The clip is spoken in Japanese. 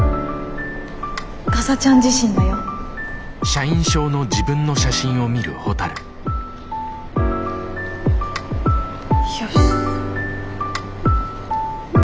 かさちゃん自身だよ。よし。